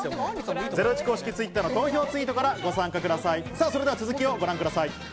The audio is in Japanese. ゼロイチ公式Ｔｗｉｔｔｅｒの投票ツイートからご参加ください。